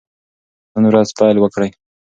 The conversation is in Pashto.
نن ورځ پیل وکړئ.